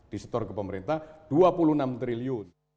disetor ke pemerintah rp dua puluh enam triliun